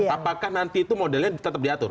apakah nanti itu modelnya tetap diatur